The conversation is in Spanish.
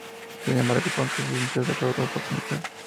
Sin embargo, pronto se sintió defraudado por su mujer.